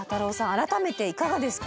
改めていかがですか？